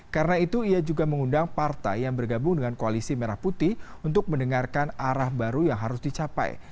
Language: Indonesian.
karena itu ia juga mengundang partai yang bergabung dengan koalisi merah putih untuk mendengarkan arah baru yang harus dicapai